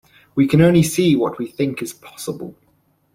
We can only see what we think is possible.